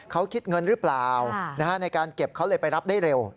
เขาคิดเงินหรือเปล่าในการเก็บเขาเลยไปรับได้เร็ว